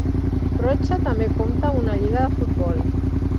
Rocha també compta amb una lliga de futbol.